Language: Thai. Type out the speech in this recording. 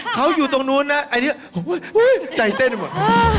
เขาอยู่ตรงนู้นนะใจเต้นหมด